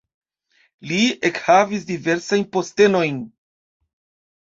Li ekhavis diversajn postenojn.